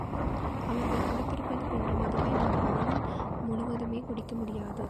அவர் குடித்திருப்பது போன்ற மதுவை உன் ஆயுள் முழுவதுமே குடிக்க முடியாது.